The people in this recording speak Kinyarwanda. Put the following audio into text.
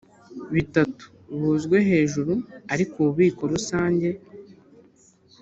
bitatu b uzwe hejuru ariko ububiko rusange